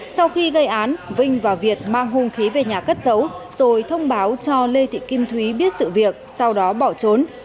sau khi gây án vinh và việt mang hung khí về nhà cất giấu rồi thông báo cho lê thị kim thúy biết sự việc sau đó bỏ trốn